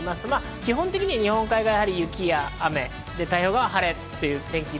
基本的に日本海側は雪や雨、太平洋側は晴れということで。